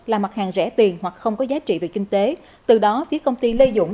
là mặt hàng rẻ tiền hoặc không có giá trị về kinh tế từ đó phía công ty lê dũng